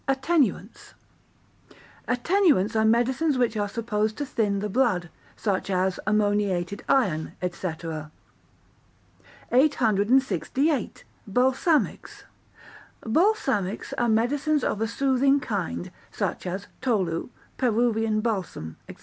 Attenuants Attenuants are medicines which are supposed to thin the blood, such as ammoniated iron, &c. 868. Balsamics Balsamics are medicines of a soothing kind, such as tolu, Peruvian balsam, &c.